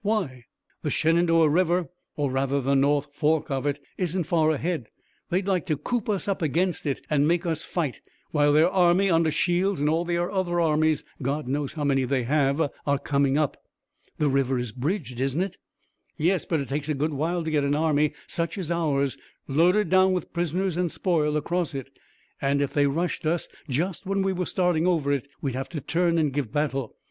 "Why?" "The Shenandoah river, or rather the north fork of it, isn't far ahead. They'd like to coop us up against it and make us fight, while their army under Shields and all their other armies God knows how many they have are coming up." "The river is bridged, isn't it?" "Yes, but it takes a good while to get an army such as ours, loaded down with prisoners and spoil, across it, and if they rushed us just when we were starting over it, we'd have to turn and give battle.